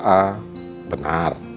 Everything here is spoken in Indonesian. bisa berbeda dengan yang lainnya